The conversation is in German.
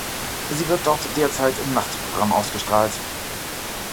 Sie wird dort derzeit im Nachtprogramm ausgestrahlt.